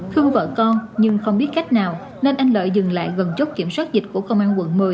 khuyên vợ con nhưng không biết cách nào nên anh lợi dừng lại gần chốt kiểm soát dịch của công an quận một mươi